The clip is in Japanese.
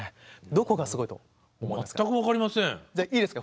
どこがすごいと思います？